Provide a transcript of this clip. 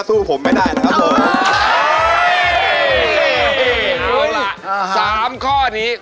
ต้องเล่นแน่